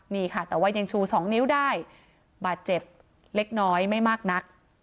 นี่ค่ะแต่ว่ายังชู๒นิ้วได้บาดเจ็บเล็กน้อยไม่มากนัก